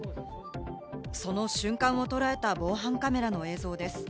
その瞬間を捉えた防犯カメラの映像です。